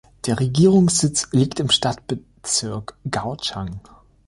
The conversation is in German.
Der Regierungssitz liegt im Stadtbezirk Gaochang.